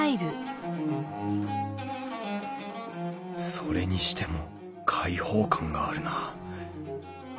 それにしても開放感があるなあ。